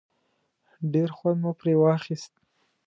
ډېر خوند مو پرې واخیست.